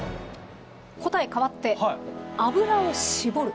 答え変わって「油をしぼる」。